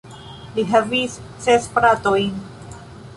Li havis ses fratojn.